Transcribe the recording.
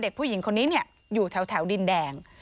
ผู้หญิงคนนี้อยู่แถวดินแดง